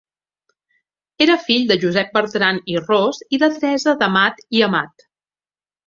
Era fill de Josep Bertran i Ros i de Teresa d'Amat i Amat.